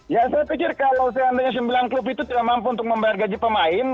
ya saya pikir kalau seandainya sembilan klub itu tidak mampu untuk membayar gaji pemain